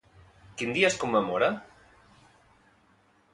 Quin dia es commemora?